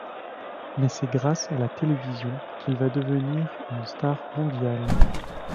Mais c'est grâce à la télévision qu'il va devenir une star mondiale.